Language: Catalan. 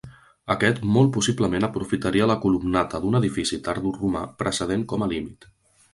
Aquest molt possiblement aprofitaria la columnata d'un edifici tardoromà precedent com a límit.